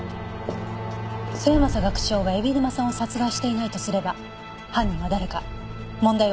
末政学長が海老沼さんを殺害していないとすれば犯人は誰か問題は依然残ったままです。